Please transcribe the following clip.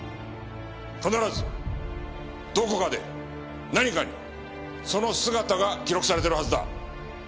必ずどこかで何かにその姿が記録されているはずだ。